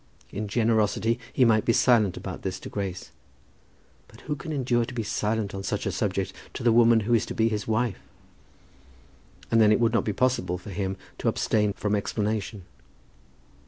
In generosity he might be silent about this to Grace, but who can endure to be silent on such a subject to the woman who is to be his wife? And then it would not be possible for him to abstain from explanation.